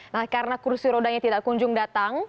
nah karena kursi rodanya tidak kunjung datang